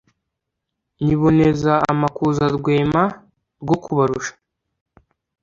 nyiboneza amakuza Rwema rwo kubarusha